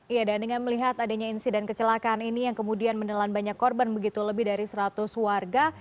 iya dan dengan melihat adanya insiden kecelakaan ini yang kemudian menelan banyak korban begitu lebih dari seratus warga